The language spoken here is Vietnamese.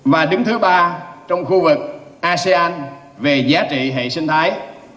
và đứng thứ ba trong khu vực asean về giá trị hệ sinh thái